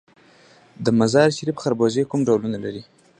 د مزار شریف خربوزې کوم ډولونه لري؟